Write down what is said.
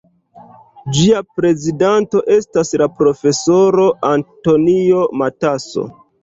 Ĝia prezidanto estas la profesoro Antonio Matasso.